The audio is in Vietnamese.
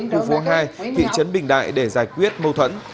khu phố hai thị trấn bình đại để giải quyết mâu thuẫn